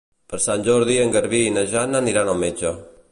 Per Sant Jordi en Garbí i na Jana aniran al metge.